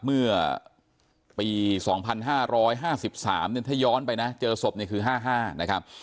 เมื่อปี๒๕๕๓เนี่ยถ้าย้อนไปนะเจอศพเนี่ยคือ๕๕นะครับ